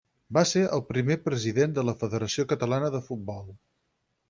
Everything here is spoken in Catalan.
Va ser el primer president de la Federació Catalana de Futbol.